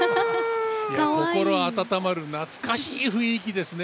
心温まる懐かしい雰囲気ですね。